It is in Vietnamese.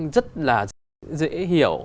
rất là dễ hiểu